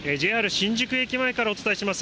新宿駅前からお伝えします。